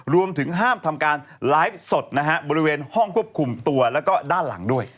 รวมถึงห้ามทำการไลฟ์สดนะฮะบริเวณห้องควบคุมตัวแล้วก็ด้านหลังด้วย